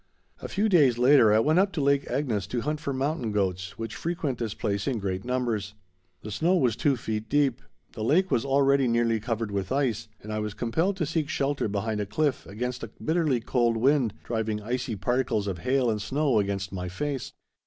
A few days later I went up to Lake Agnes to hunt for mountain goats, which frequent this place in great numbers. The snow was two feet deep. The lake was already nearly covered with ice, and I was compelled to seek shelter behind a cliff against a bitterly cold wind, driving icy particles of hail and snow against my face.